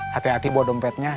hati hati buat dompetnya